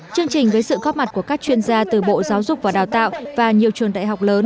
chương trình với sự góp mặt của các chuyên gia từ bộ giáo dục và đào tạo và nhiều trường đại học lớn